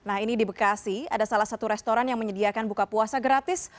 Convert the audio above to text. nah ini di bekasi ada salah satu restoran yang menyediakan buka puasa gratis